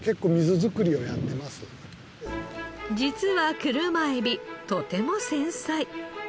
実は車エビとても繊細。